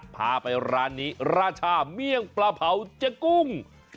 พาไปร้านนี้ราชาเมี่ยงปลาเผาเจ๊กุ้ง